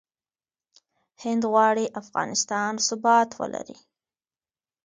هند غواړي افغانستان ثبات ولري.